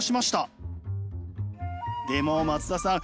でも松田さん